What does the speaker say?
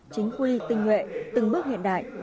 chính quy tinh nguyện từng bước hiện đại